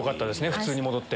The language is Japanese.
普通に戻って。